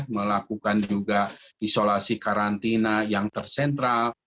melakukan juga isolasi karantina yang tersentral